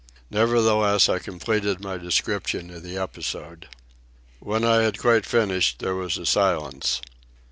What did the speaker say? Nevertheless, I completed my description of the episode. When I had quite finished there was a silence.